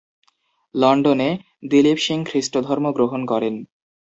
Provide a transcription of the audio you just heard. লন্ডনে, দিলীপ সিং খ্রিস্টধর্ম গ্রহণ করেন।